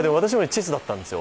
私もチェスだったんですよ。